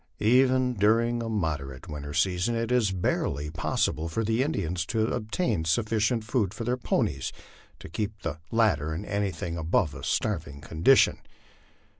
Even during a moderate winter season, it is barely possible for the Indians to obtain sufficient food for their ponies to keep the latter in anything above a starving condition.